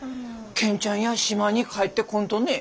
健ちゃんや島に帰ってこんとね？